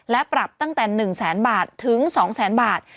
และปรับตั้งแต่๑แสนบาทถึง๒แสนบาท